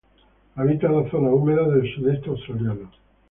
Habita las zonas húmedas del sudeste australiano.